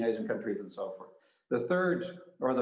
pada panggilan selanjutnya